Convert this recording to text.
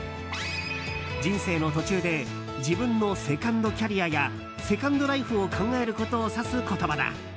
人生の途中で自分のセカンドキャリアやセカンドライフを考えることを指す言葉だ。